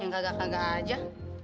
yang kagak kagak aja